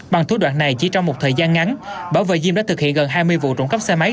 bằng thủ đoạn này chỉ trong một thời gian ngắn bảo và diêm đã thực hiện gần hai mươi vụ trộm cắp xe máy